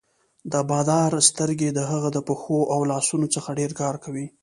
د بادار سترګې د هغه د پښو او لاسونو څخه ډېر کار کوي.